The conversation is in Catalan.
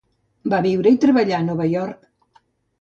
Va viure i treballar a Nova York.